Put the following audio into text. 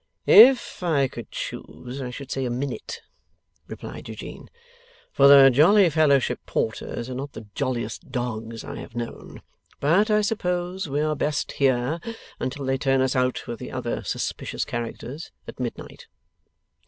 'If I could choose, I should say a minute,' replied Eugene, 'for the Jolly Fellowship Porters are not the jolliest dogs I have known. But I suppose we are best here until they turn us out with the other suspicious characters, at midnight.